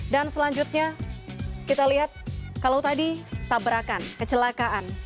dan selanjutnya kita lihat kalau tadi tabrakan kecelakaan